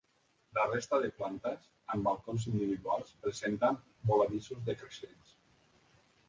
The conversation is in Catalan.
La resta de plantes, amb balcons individuals, presenten voladissos decreixents.